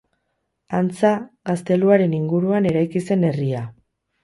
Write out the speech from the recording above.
Antza, gazteluaren inguruan eraiki zen herria.